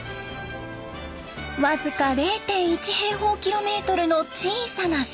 僅か０．１平方キロメートルの小さな島新島に到着。